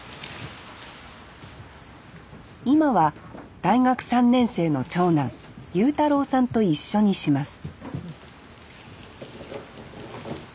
今は大学３年生の長男悠太郎さんと一緒にします